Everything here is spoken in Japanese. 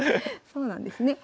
そうなんですね。